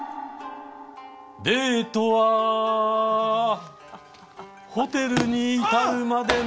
「デートはホテルに至るまでの」。